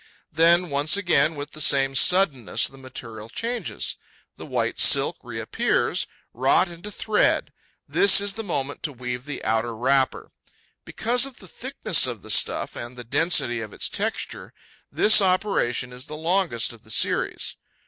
Then, once again, with the same suddenness, the material changes. The white silk reappears, wrought into thread. This is the moment to weave the outer wrapper. Because of the thickness of the stuff and the density of its texture, this operation is the longest of the series.